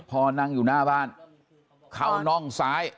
พอนั่งอยู่หน้าบ้านเข้าน่องซ้าย